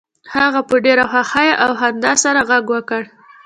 هغه په ډیره خوښۍ او خندا سره غږ وکړ